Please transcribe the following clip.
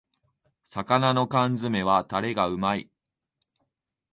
魚の缶詰めはタレがうまい